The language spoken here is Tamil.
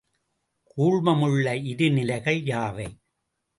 கூழ்மமுள்ள இரு நிலைகள் யாவை?